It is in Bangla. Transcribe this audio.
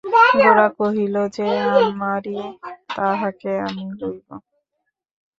গোরা কহিল, যে আমারই তাহাকে আমি লইব।